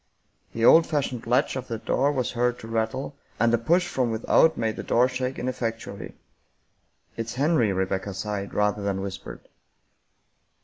The old fashioned latch of the door was heard to rattle, and a push from without made the door shake ineffectually. " It's Henry," Rebecca sighed rather than whispered.